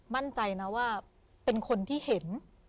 มั่นใจนะว่าเป็นคนที่เห็น